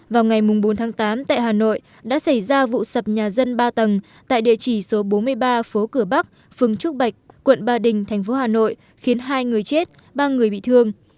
vào ngày bốn tháng tám tại hà nội đã xảy ra vụ sập nhà dân ba tầng tại địa chỉ số bốn mươi ba phố cửa bắc phường trúc bạch quận ba đình thành phố hà nội khiến hai người chết ba người bị thương